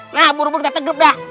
nah buru buru kita tegep dah